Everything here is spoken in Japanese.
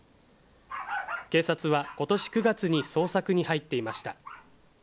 警察はことし９月に捜索に入っていました。